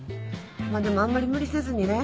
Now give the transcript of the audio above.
まあでもあんまり無理せずにね。